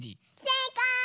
せいかい！